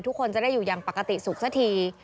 ทุกคนจะได้อยู่อย่างปกติสุขสักที